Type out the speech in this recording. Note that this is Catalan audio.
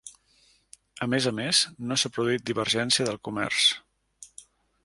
A més a més, no s'ha produït divergència del comerç.